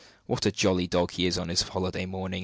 what a jolly dog he is on his holiday morning!"